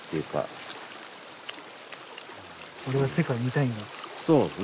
俺は世界を見たいんだ？